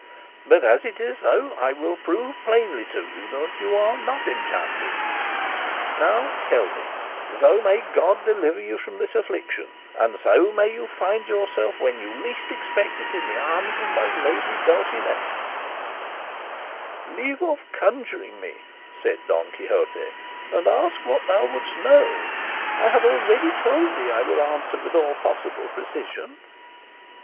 But as it is so, I will prove plainly to you that you are not enchanted. Now tell me, so may God deliver you from this affliction, and so may you find yourself when you least expect it in the arms of my lady Dulcinea—" "Leave off conjuring me," said Don Quixote, "and ask what thou wouldst know; I have already told thee I will answer with all possible precision."